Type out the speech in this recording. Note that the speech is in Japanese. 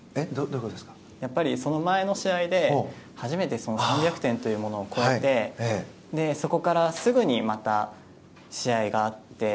やはり、その前の試合で初めて３００点を超えてそこからすぐに試合があって。